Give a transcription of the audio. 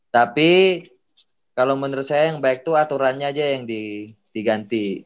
tapi kalo menurut saya yang baik tuh aturannya aja yang diganti